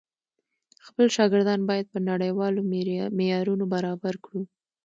خپل شاګردان بايد په نړيوالو معيارونو برابر کړو.